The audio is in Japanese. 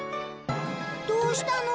どうしたの？